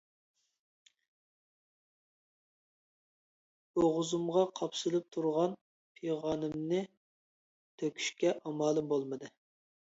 بوغۇزۇمغا قاپسىلىپ تۇرغان پىغانىمنى تۆكۈشكە ئامالىم بولمىدى.